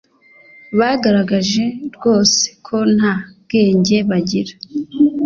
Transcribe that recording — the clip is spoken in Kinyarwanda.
bagaragaje rwose ko nta bwenge bagira